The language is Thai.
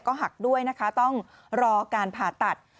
ก็หักด้วยนะคะต้องรอการผ่าตัด